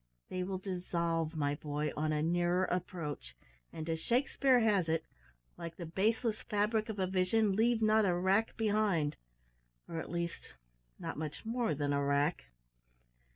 They will dissolve, my boy, on a nearer approach, and, as Shakespeare has it, `like the baseless fabric of a vision, leave not a wrack behind,' or, at least, not much more than a wrack."